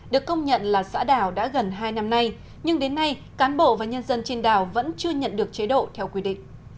được công nhận là xã đảo đã gần hai năm nay nhưng đến nay cán bộ và nhân dân trên đảo vẫn chưa nhận được chế độ theo quy định